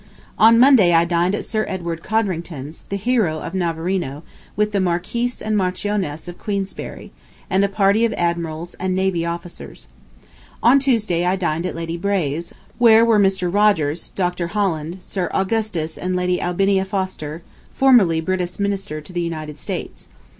On Monday I dined at Sir Edward Codrington's, the hero of Navarino, with the Marquis and Marchioness of Queensberry, and a party of admirals and navy officers. On Tuesday I dined at Lady Braye's, where were Mr. Rogers, Dr. Holland, Sir Augustus and Lady Albinia Foster, formerly British Minister to the United States.